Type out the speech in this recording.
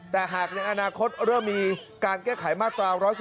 แต่หากในอนาคตเริ่มมีการแก้ไขมาตรา๑๑๒